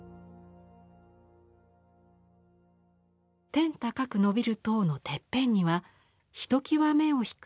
天高くのびる塔のてっぺんにはひときわ目を引く